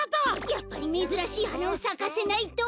やっぱりめずらしいはなをさかせないと！